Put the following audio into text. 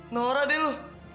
nora deh lu